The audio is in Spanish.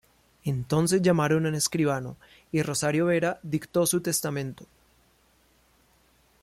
Entonces llamaron a un escribano y Rosario Vera dictó su testamento.